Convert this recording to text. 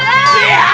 aduh aduh aduh aduh